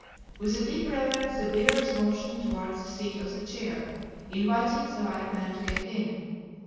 With a deep reverence the bearers motioned towards the seat of the chair, inviting the white man to get in.